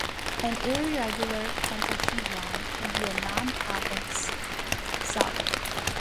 An irregular pentahedron can be a non-convex solid.